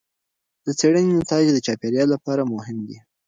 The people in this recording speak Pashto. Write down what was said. د څېړنې نتایج د چاپیریال لپاره مهم دي.